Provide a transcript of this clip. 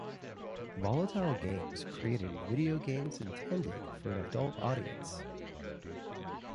Volatile Games created video games intended for an adult audience.